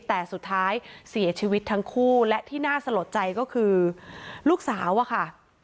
แต่สุดท้ายเสียชีวิตทั้งคู่และที่น่าสลดใจก็คือลูกสาวอะค่ะ